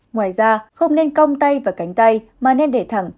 ngoài ra không nên cong tay và cánh tay mà nên để thẳng